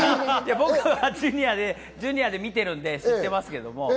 僕はジュニアで見ているので知っていますけれども。